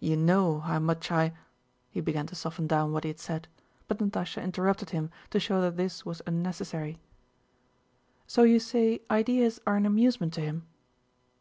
"You know how much I..." he began to soften down what he had said; but Natásha interrupted him to show that this was unnecessary. "So you say ideas are an amusement to him...."